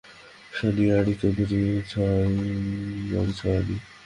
শানিয়াড়ি, চৌধুরীবাড়ি, ছয় আনি!